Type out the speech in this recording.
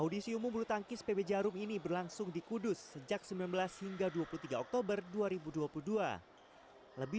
audisi umum bulu tangkis pb jarum ini berlangsung di kudus sejak sembilan belas hingga dua puluh tiga oktober dua ribu dua puluh dua lebih